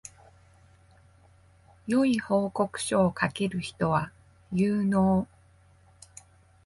良い報告書を書ける人は有能